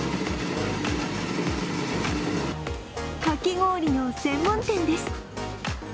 かき氷の専門店です。